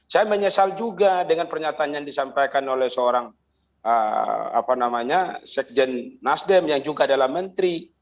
saya menyesal juga dengan pernyataan yang disampaikan oleh seorang sekjen nasdem yang juga adalah menteri